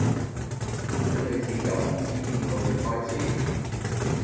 小女子由唔知邊個月開始